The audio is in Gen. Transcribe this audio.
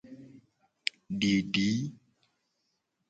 Didi.